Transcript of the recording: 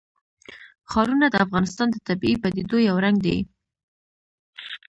ښارونه د افغانستان د طبیعي پدیدو یو رنګ دی.